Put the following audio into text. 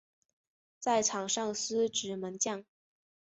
在场上司职门将。